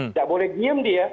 tidak boleh diam dia